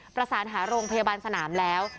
ประสานหาโรงพยาบาลสนามแล้ว